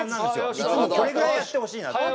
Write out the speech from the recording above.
いつもこれぐらいやってほしいなと。